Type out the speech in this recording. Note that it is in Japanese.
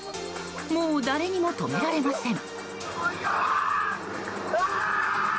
もう誰にも止められません。